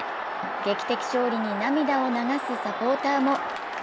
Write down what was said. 劇的勝利に涙を流すサポーターも。